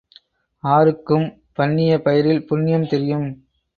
ஆருக்கும் பண்ணிய பயிரில் புண்ணியம் தெரியும்.